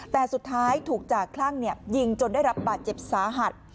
แต่สุดท้ายถูกจ่าคลั่งยิงจนได้รับบาดเจ็บสาหัส